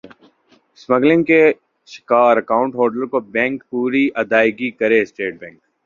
skimming کے شکار account holders کو بینک پوری ادائیگی کرے اسٹیٹ بینک